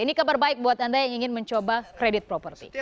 ini kabar baik buat anda yang ingin mencoba kredit properti